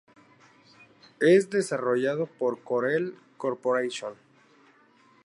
Es desarrollado por Corel Corporation.